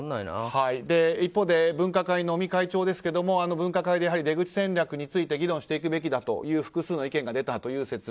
一方で分科会の尾身会長ですが分科会で出口戦略について議論していくべきだという複数の意見が出た。